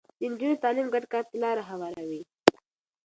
د نجونو تعليم ګډ کار ته لاره هواروي.